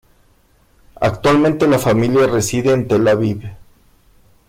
Actualmente la familia reside en Tel Aviv.